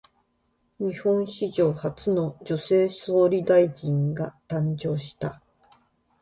日本史上初の女性総理大臣が誕生した。